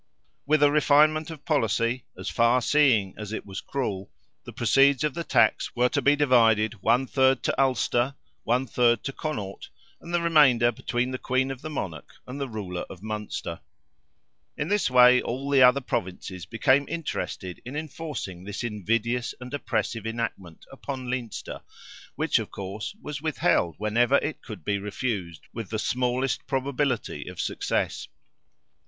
With a refinement of policy, as far seeing as it was cruel, the proceeds of the tax were to be divided one third to Ulster, one third to Connaught, and the remainder between the Queen of the Monarch and the ruler of Munster. In this way all the other Provinces became interested in enforcing this invidious and oppressive enactment upon Leinster which, of course, was withheld whenever it could be refused with the smallest probability of success.